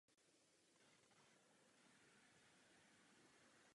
Práce studia prezentoval mimo jiné na rakouské výstavě v Londýně.